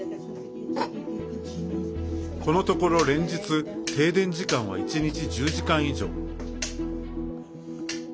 このところ、連日停電時間は１日１０時間以上。